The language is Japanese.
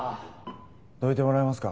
どいてもらえますか。